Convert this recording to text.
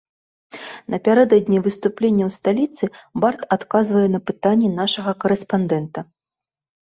Напярэдадні выступлення ў сталіцы бард адказвае на пытанні нашага карэспандэнта.